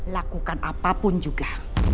lakukan apapun juga